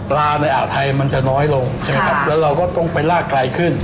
ในอ่าวไทยมันจะน้อยลงใช่ไหมครับแล้วเราก็ต้องไปลากไกลขึ้น